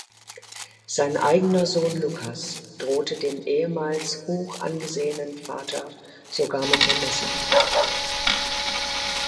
Sein eigener Sohn Lukas drohte dem ehemals hochangesehenen Vater sogar mit dem Messer.